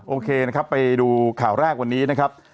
โอเคนะครับไปดูข่าวแรกวันนี้นะครับ